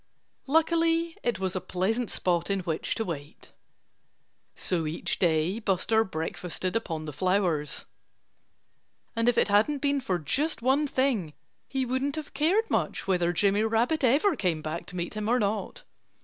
Luckily it was a pleasant spot in which to wait. So each day Buster breakfasted upon the flowers. And if it hadn't been for just one thing he wouldn't have cared much whether Jimmy Rabbit ever came back to meet him or not.